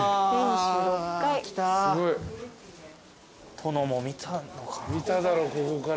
殿も見たのかな。